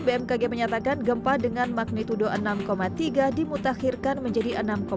bmkg menyatakan gempa dengan magnitudo enam tiga dimutakhirkan menjadi enam tujuh